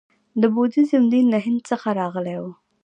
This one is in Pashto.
د بودیزم دین له هند څخه راغلی و